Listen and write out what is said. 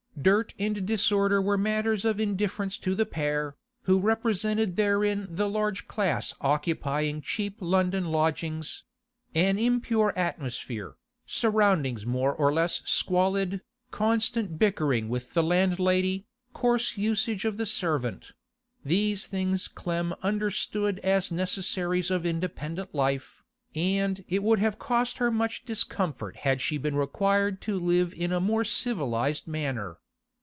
Dirt and disorder were matters of indifference to the pair, who represented therein the large class occupying cheap London lodgings; an impure atmosphere, surroundings more or less squalid, constant bickering with the landlady, coarse usage of the servant—these things Clem understood as necessaries of independent life, and it would have cost her much discomfort had she been required to live in a more civilised manner.